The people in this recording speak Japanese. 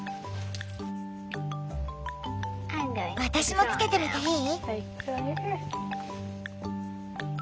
私もつけてみていい？